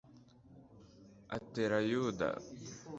atera yuda